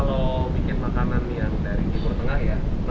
kalau bikin makanan yang dari timur tengah ya